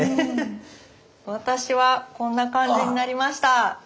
私はこんな感じになりました。